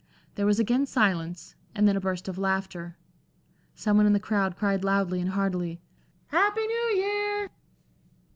There was again silence, and then a burst of laughter. Some one in the crowd cried loudly and heartily: "Happy New Year!"